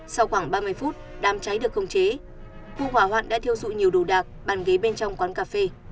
sau khoảng ba mươi phút đám cháy được khống chế vụ hỏa hoạn đã thiêu dụi nhiều đồ đạc bàn ghế bên trong quán cà phê